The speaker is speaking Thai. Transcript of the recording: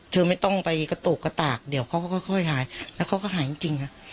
ไม่ต้องไปกระตุกกระตากเดี๋ยวเขาก็ค่อยหายแล้วเขาก็หายจริงค่ะ